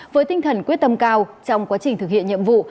với tinh thần quyết tâm cao trong quá trình thực hiện nhiệm vụ